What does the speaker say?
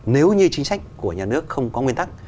nếu như chính sách của nhà nước không có nguyên tắc